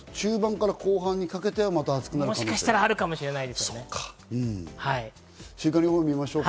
中盤から後半にかけては暑くもしかしたらあるかもしれない。